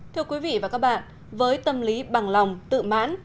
thưa quý vị và các bạn với tâm lý bằng lòng tự mãn